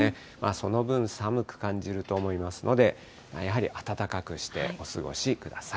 その分、寒く感じると思いますので、やはり暖かくしてお過ごしください。